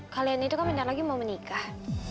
kalian itu kan bentar lagi mau menikah